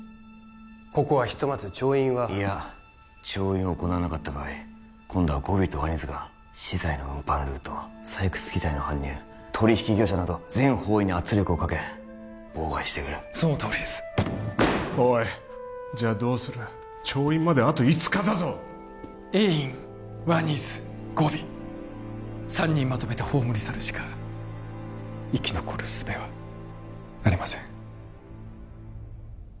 ここはひとまず調印はいや調印を行わなかった場合今度はゴビとワニズが資材の運搬ルート採掘機材の搬入取引業者など全方位に圧力をかけ妨害してくるそのとおりですおいじゃあどうする調印まであと５日だぞエインワニズゴビ３人まとめて葬り去るしか生き残るすべはありません